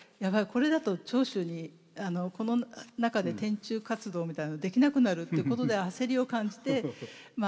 これだと長州にこの中で天誅活動みたいのができなくなる」ってことで焦りを感じて加担していく。